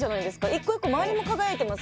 １個１個周りも輝いてます